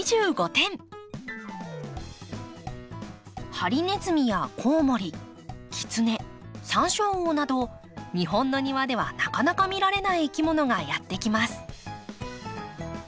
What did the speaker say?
ハリネズミやコウモリキツネサンショウウオなど日本の庭ではなかなか見られないいきものがやって来ます。